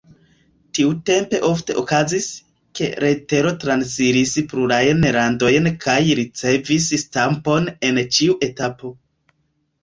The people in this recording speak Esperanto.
Tiutempe ofte okazis, ke letero transiris plurajn landojn kaj ricevis stampon en ĉiu etapo.